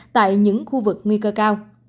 tại những khu vực nguy cơ cao